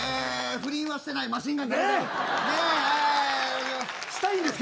不倫はしてないマシンガンズです。